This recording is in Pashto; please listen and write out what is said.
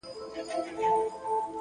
عاجزي د انسان ارزښت لوړوي,